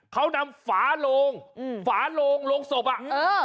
เขานำฝาโลงอืมฝาโลงโรงศพอ่ะเออ